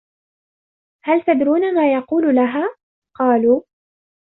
هَلْ تَدْرُونَ مَا يَقُولُ لَهَا ؟ قَالُوا